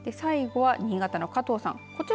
最後は新潟の加藤さん